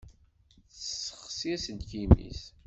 Tessexsi aselkim-is.